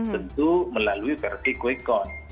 tentu melalui vertik wekon